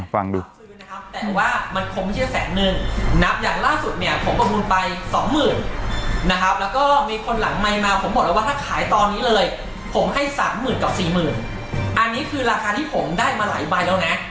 ผมให้๓๐๐๐๐กับ๔๐๐๐๐อันนี้คือราคาที่ผมได้มาหลายใบแล้วนะ